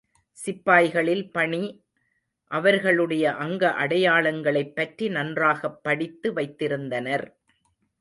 சிப்பாய்களில் பணி அவர்களுடைய அங்க அடையாளங்களைப் பற்றி நன்றாகப் படித்து வைத்திருந்தனர்.